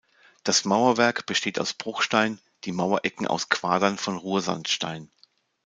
Das Mauerwerk besteht aus Bruchstein, die Mauerecken aus Quadern von Ruhrsandstein.